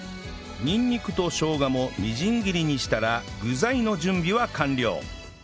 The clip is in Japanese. にんにくとしょうがもみじん切りにしたら具材の準備は完了